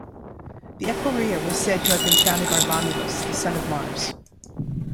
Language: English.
The Equirria were said to have been founded by Romulus, the son of Mars.